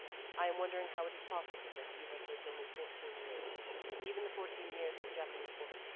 I am wondering how it is possible that you have lived only fourteen years even the fourteen years of a Japanese woman.